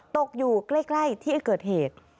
ตกอยู่ใกล้ที่เกิดเหตุ